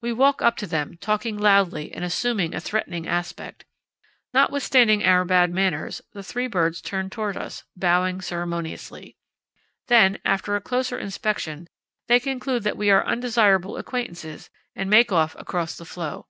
"We walk up to them, talking loudly and assuming a threatening aspect. Notwithstanding our bad manners, the three birds turn towards us, bowing ceremoniously. Then, after a closer inspection, they conclude that we are undesirable acquaintances and make off across the floe.